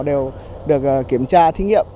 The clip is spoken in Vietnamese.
đều được kiểm tra thí nghiệm